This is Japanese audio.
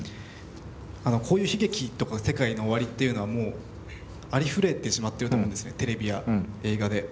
こういう悲劇とか世界の終わりっていうのはもうありふれてしまってると思うんですねテレビや映画で。